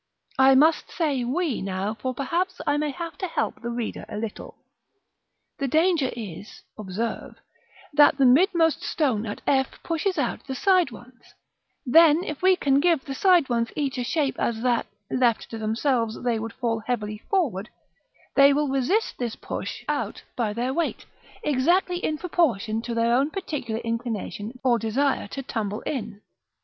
I must say "we" now, for perhaps I may have to help the reader a little. The danger is, observe, that the midmost stone at f pushes out the side ones: then if we can give the side ones such a shape as that, left to themselves, they would fall heavily forward, they will resist this push out by their weight, exactly in proportion to their own particular inclination or desire to tumble in.